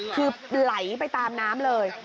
คือไหลไปตามน้ำเลย